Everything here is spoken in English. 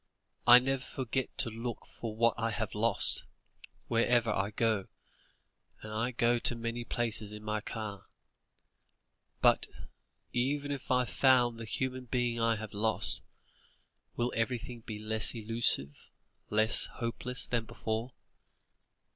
I never forget to look for what I have lost, wherever I go, and I go to many places in my car. But, even if I found the human being I have lost, will everything be less elusive, less hopeless than before?"